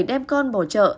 đem con bỏ trợ